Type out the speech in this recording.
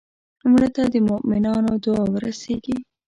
مړه ته د مومنانو دعا ورسېږي